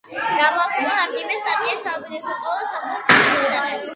გამოაქვეყნა რამდენიმე სტატია საბუნებისმეტყველო და სამთო საქმის შესახებ.